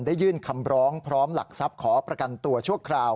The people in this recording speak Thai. ยื่นคำร้องพร้อมหลักทรัพย์ขอประกันตัวชั่วคราว